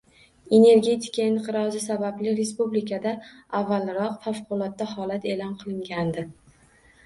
Energetika inqirozi sababli respublikada avvalroq favqulodda holat e’lon qilingandi